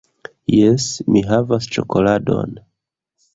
Jes, mi havas ĉokoladon